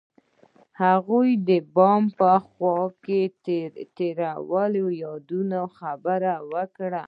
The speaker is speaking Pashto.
هغوی د بام په خوا کې تیرو یادونو خبرې کړې.